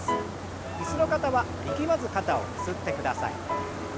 椅子の方は力まず肩をゆすってください。